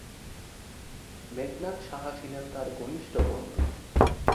মেঘনাদ সাহা ছিলেন তার ঘনিষ্ঠ বন্ধু।